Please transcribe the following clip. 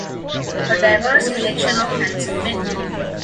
A diverse collection of handsome men